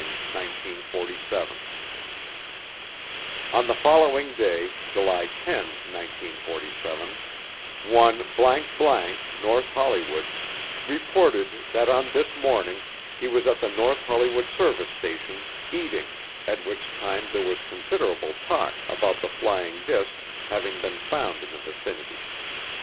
1947 On the following day, July 10, 1947, one ________ North Hollywood, reported that on this morning he was at the North Hollywood Service Station eating at which time there was considerable talk about the flying disc having been found in the vicinity.